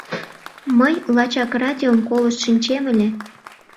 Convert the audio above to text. — Мый лачак радиом колышт шинчем ыле.